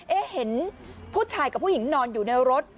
เห็นผู้ชายกับผู้หญิงนอนอยู่ในรถ